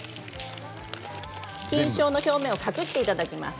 菌床の表面を隠していただけます。